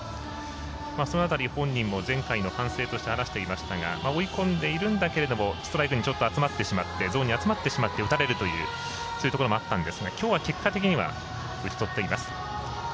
その辺り、本人も前回の反省として話していましたが追い込んでいるんだけれどもストライクにちょっと集まってゾーンに集まってしまって打たれるということもあったんですがきょうは結果的には打ち取っています。